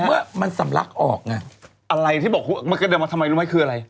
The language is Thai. เมื่อมันสำลักออกไงอะไรที่บอกมันก็เดินมาทำไมรู้ไหมคืออะไร